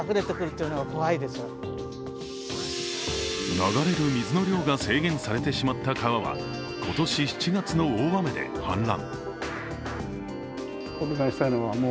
流れる水の量が制限されてしまった川は今年７月の大雨で氾濫。